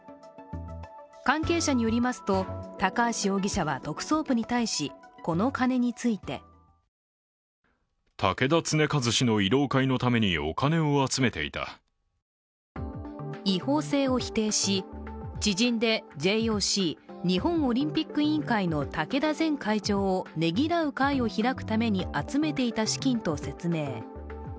関係者によりますと、高橋容疑者は特捜部に対しこの金について違法性を否定し、知人でＪＯＣ＝日本オリンピック委員会の竹田前会長をねぎらう会を開くために集めていた資金と説明。